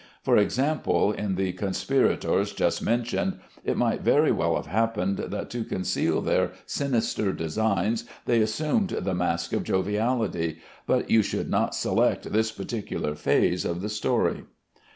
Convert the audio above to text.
For example, in the "conspirators" just mentioned, it might very well have happened that to conceal their sinister designs they assumed the mask of joviality, but you should not select this particular phase of the story.